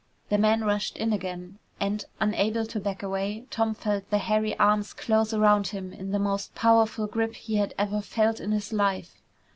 The man rushed in again and, unable to back away, Tom felt the hairy arms close around him in the most powerful grip he had ever felt in his life.